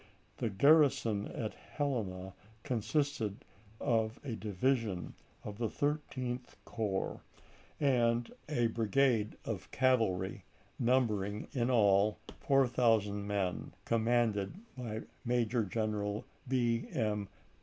The garrison of Helena consisted of a division of the Thirteenth Corps and a brigade of cavalry numbering in all four thou sand men, commanded by Major General B. M.